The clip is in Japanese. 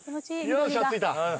よっしゃ着いた。